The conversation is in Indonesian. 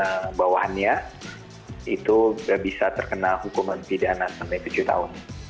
kebuatan cabul dengan bawahannya itu bisa terkena hukuman pidana sampai tujuh tahun